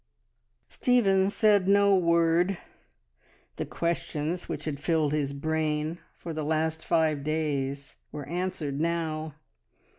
Stephen said no word. The questions which had filled his brain for the last five days were answered now.